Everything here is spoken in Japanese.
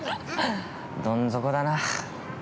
どん底だな。